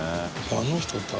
あの人って。